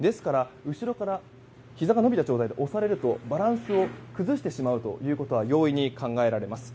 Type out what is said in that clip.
後ろからひざが伸びた状態で押されるとバランスを崩してしまうことが容易に考えられます。